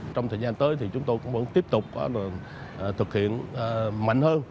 trong thời gian tới chúng tôi vẫn tiếp tục thực hiện mạnh hơn